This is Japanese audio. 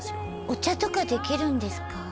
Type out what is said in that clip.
お茶とかできるんですか？